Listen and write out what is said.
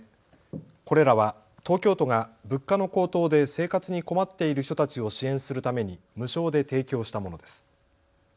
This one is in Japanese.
これらは東京都が物価の高騰で生活に困っている人たちを支援するために無償で提供したものです。